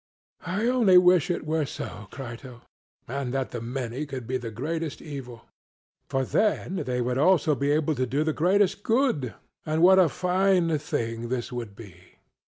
SOCRATES: I only wish it were so, Crito; and that the many could do the greatest evil; for then they would also be able to do the greatest good and what a fine thing this would be!